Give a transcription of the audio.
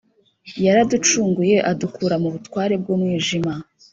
yaraducunguye adukura mu butware bw’umwijima